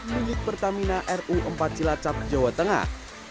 milik pertamina ru empat cilacap jawa tengah